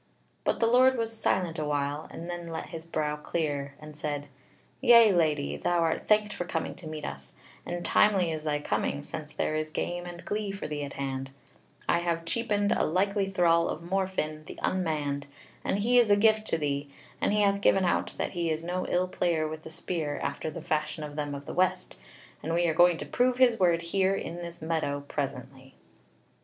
But the Lord was silent a while, and then let his brow clear and said: "Yea, Lady, thou art thanked for coming to meet us; and timely is thy coming, since there is game and glee for thee at hand; I have cheapened a likely thrall of Morfinn the Unmanned, and he is a gift to thee; and he hath given out that he is no ill player with the spear after the fashion of them of the west; and we are going to prove his word here in this meadow presently."